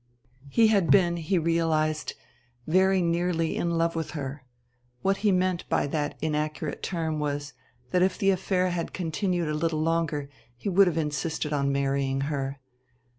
He had been, he realized, very nearly in love with her: what he meant by that inaccurate term was that if the affair had continued a little longer he would have insisted on marrying her.